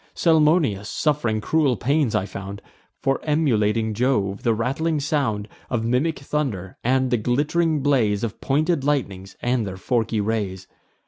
Salmoneus, suff'ring cruel pains, I found, For emulating Jove; the rattling sound Of mimic thunder, and the glitt'ring blaze Of pointed lightnings, and their forky rays.